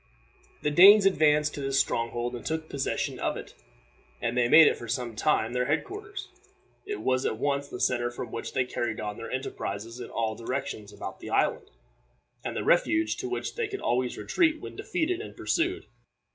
The Danes advanced to this stronghold and took possession of it, and they made it for some time their head quarters. It was at once the center from which they carried on their enterprises in all directions about the island, and the refuge to which they could always retreat when defeated and pursued.